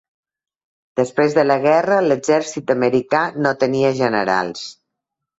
Després de la guerra, l'exèrcit americà no tenia generals.